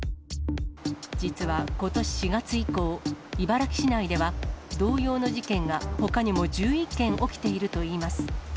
実はことし４月以降、茨木市内では、同様の事件がほかにも１１件起きているといいます。